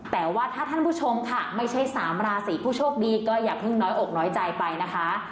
แต่ว่าถ้าท่านผู้ชมค่ะไม่ใช่๓ราศีผู้โชคดีก็อย่าเพิ่งน้อยอกน้อยใจไปนะคะ